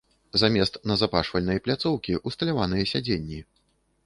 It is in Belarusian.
Замест назапашвальнай пляцоўкі ўсталяваныя сядзенні.